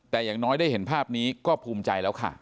แต่อย่างน้อยได้เห็นภาพนี้ก็ภูมิใจแล้วค่ะ